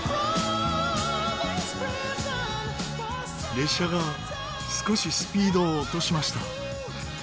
列車が少しスピードを落としました。